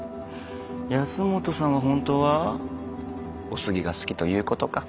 保本さんは本当はお杉が好きという事か。